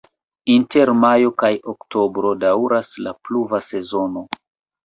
Inter majo kaj oktobro daŭras la pluva sezono.